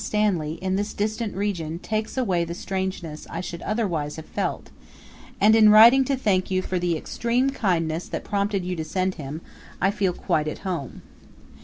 Stanley, in this distant region takes away the strangeness I should otherwise have felt, and in writing to thank you for the extreme kindness that prompted you to send him, I feel quite at home.